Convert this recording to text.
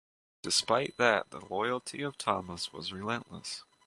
Despite that the loyalty of Thomas was relentless.